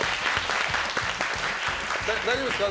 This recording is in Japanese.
大丈夫ですか？